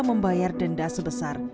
membayar denda sebesar